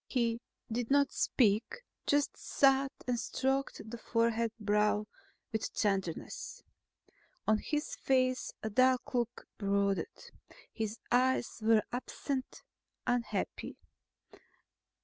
He did not speak, just sat and stroked the fevered brow with tenderness. On his face a dark look brooded. His eyes were absent, unhappy.